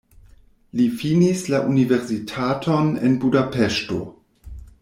Li finis la universitaton en Budapeŝto.